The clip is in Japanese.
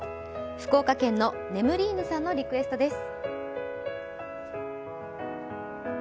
福岡県の眠り犬さんのリクエストです。